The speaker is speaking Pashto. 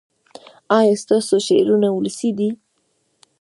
ایا ستاسو شعرونه ولسي دي؟